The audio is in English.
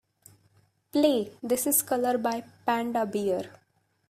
play This Is Colour by Panda Bear